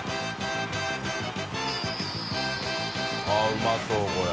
△うまそうこれ。